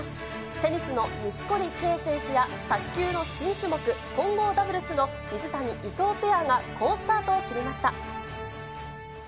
テニスの錦織圭選手や卓球の新種目、混合ダブルスの水谷・伊藤ペアが好スタートを切りました。